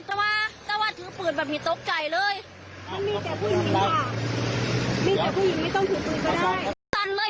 แต่ว่าถือปืนแบบมีตกใจเลย